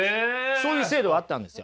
そういう制度があったんですよ。